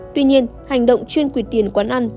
tuy nhiên hành động chuyên quỵt tiền quán ăn